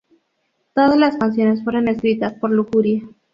Todas las canciones fueron escritas por Lujuria.